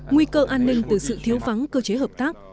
nguy cơ an ninh từ sự thiếu vắng cơ chế hợp tác